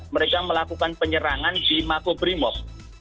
mereka melakukan penyerangan di makobrimob